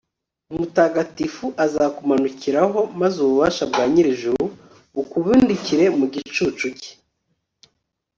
mutagatifu azakumanukiraho, maze ububasha bwa nyir'ijuru bukubundikire mu gicucu cye